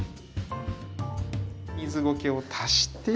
水ゴケを足して。